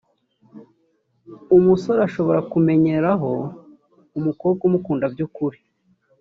umusore ashobora kumenyeraho umukobwa umukunda by’ukuri